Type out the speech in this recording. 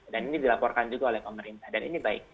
dan ini dilaporkan juga oleh pemerintah dan ini baik